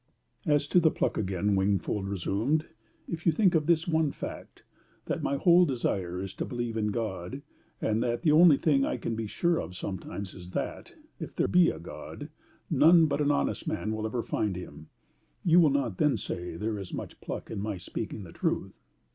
"As to the pluck again," Wingfold resumed, " if you think of this one fact that my whole desire is to believe in God, and that the only thing I can be sure of sometimes is that, if there be a God, none but an honest man will ever find him, you will not then say there is much pluck in my speaking the truth?"